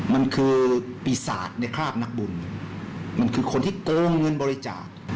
มันคือปีศาจในคราบนักบุญมันคือคนที่โกงเงินบริจาค